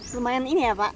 lumayan ini ya pak